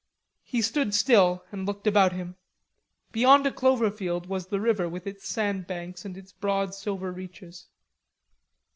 He stood still, and looked about him. Beyond a clover field was the river with its sand banks and its broad silver reaches.